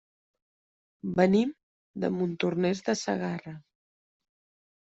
Venim de Montornès de Segarra.